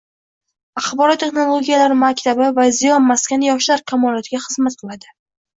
Axborot texnologiyalari maktabi va ziyo maskani yoshlar kamolotiga xizmat qilading